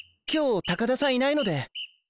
今日高田さんいないので。